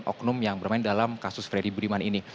oknum yang bermain dalam kasus freddy budiman ini